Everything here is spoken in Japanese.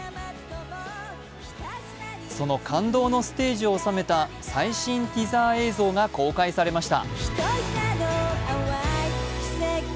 その感動のステージを収めた最新ティザー映像が公開されました。